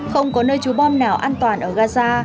không có nơi trú bom nào an toàn ở gaza